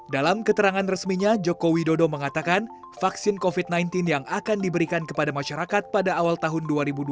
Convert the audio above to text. dalam keterangan resminya joko widodo mengatakan vaksin covid sembilan belas yang akan diberikan kepada masyarakat pada awal tahun dua ribu dua puluh